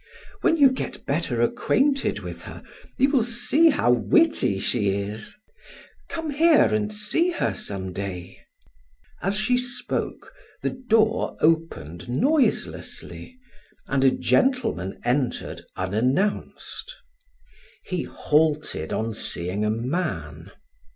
When you get better acquainted with her, you will see how witty she is! Come here and see her some day." As she spoke, the door opened noiselessly, and a gentleman entered unannounced. He halted on seeing a man.